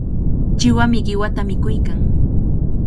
Chiwami qiwata mikuykan.